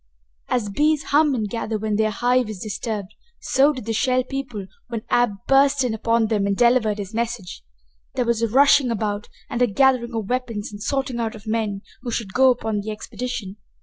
As bees hum and gather when their hive is disturbed, so did the Shell People when Ab burst in upon them and delivered his message. There was rushing about and a gathering of weapons and a sorting out of men who should go upon the expedition.